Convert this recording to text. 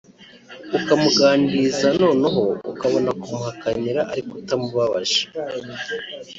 ukamuganiriza noneho ukabona kumuhakanira ariko utamubabaje